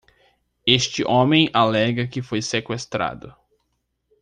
Este homem alega que ele foi seqüestrado.